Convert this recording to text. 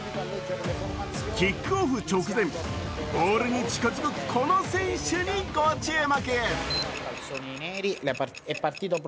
キックオフ直前、ボールに近づくこの選手にご注目。